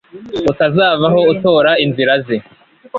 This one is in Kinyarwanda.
utazavaho utora inzira ze